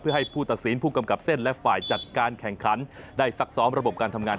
เพื่อให้ผู้ตัดสินผู้กำกับเส้นและฝ่ายจัดการแข่งขันได้ซักซ้อมระบบการทำงาน